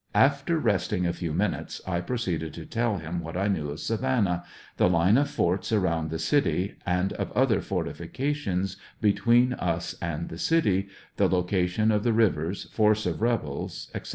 After resting a few minutes I proceeded to tell him what I knew of Savannah, the line of forts around the city, and of other fortifications between us and the city, the location of the rivers, force of rebels, etc.